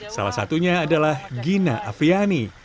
salah satunya adalah gina afriani